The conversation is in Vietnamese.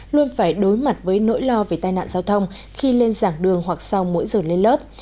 luôn phải đối mặt với nỗi lo về tai nạn giao thông khi lên giảng đường hoặc sau mỗi giờ lên lớp